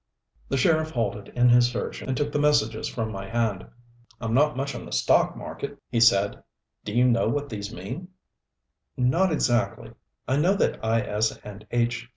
The sheriff halted in his search and took the messages from my hand. "I'm not much up on the stock market," he said. "Do you know what these mean " "Not exactly. I know that I. S. and H.